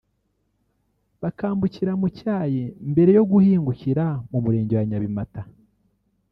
bakambukira mu cyayi mbere yo guhingukira ku Murenge wa Nyabimata